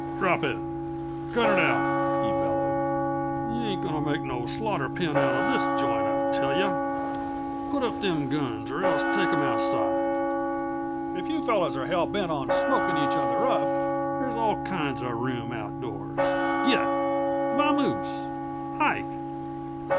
"Drop it! Cut it out!" he bellowed. "Yuh ain't going t' make no slaughter pen out uh this joint, I tell yuh. Put up them guns or else take 'em outside. If you fellers are hell bent on smokin' each other up, they's all kinds uh room outdoors. Git! Vamose! Hike!"